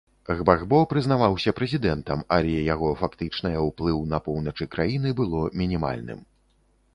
Гбагбо прызнаваўся прэзідэнтам, але яго фактычнае ўплыў на поўначы краіны было мінімальным.